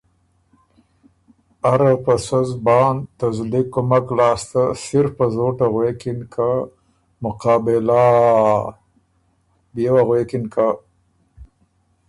اره په سۀ زبان ته زلی قُمک لاسته سِر په زوټه غوېکِن که ”مُــقـــابـــېـــلا ا ا ا ا“ بيې وه غوېکِن که :ـ